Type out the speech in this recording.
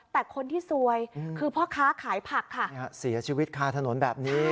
แต่คนที่ซวยคือพ่อค้าขายผักค่ะเสียชีวิตคาถนนแบบนี้